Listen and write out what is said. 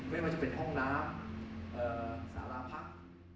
ไม่ว่าจะเป็นห้องร้านหรือหลายร้านพัก